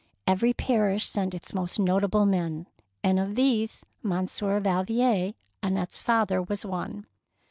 Every parish sent its most notable men, and of these Monsieur Yalvier, Annette's father, was one.